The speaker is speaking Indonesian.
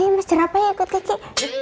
ayolah mas jerapa ikut kiki